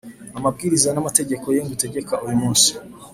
amabwiriza n’amategeko ye ngutegeka uyu munsi,